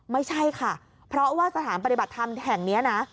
ไม่ใช่ค่ะเพราะว่าสถานปฏิบัติธรรมแห่งนี้นะ